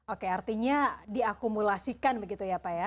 oke artinya diakumulasikan begitu ya pak ya